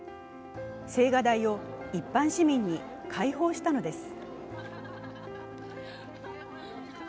青瓦台を一般市民に開放したのです。